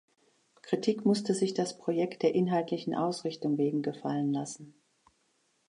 Kritik musste sich das Projekt der inhaltlichen Ausrichtung wegen gefallen lassen.